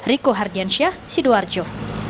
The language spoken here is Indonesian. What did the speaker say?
riko hardiansyah sidoarjo